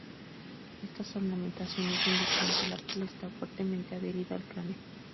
Estas ornamentaciones indican que la piel estaba fuertemente adherida al cráneo.